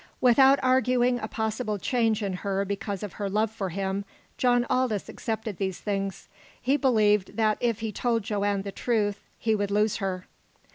Without arguing a possible change in her because of her love for him, John Aldous accepted these things. He believed that if he told Joanne the truth he would lose her.